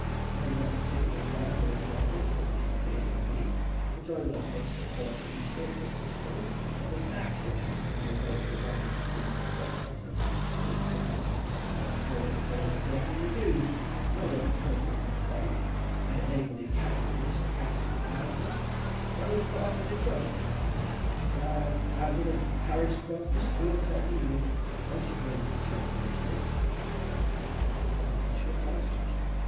I'm not a tipplin' man nor a drunkard—nobody can say it on me—but I like a extry quart at Easter or Christmas time, as is nat'ral when we're goin' the rounds a singin', an' folks offer't you for nothin'; or when I'm a collectin' the dues; an' I like a pint wi' my pipe, an' a neighbourly chat at Mester Casson's now an' then, for I was brought up i' the Church, thank God, an' ha' been a parish clerk this two an' thirty year: I should know what the church religion is." "Well, what's your advice, Joshua?